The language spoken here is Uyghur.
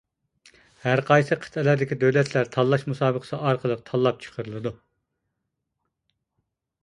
ھەرقايسى قىتئەلەردىكى دۆلەتلەر تاللاش مۇسابىقىسى ئارقىلىق تاللاپ چىقىرىلىدۇ.